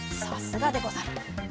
さすがでござる。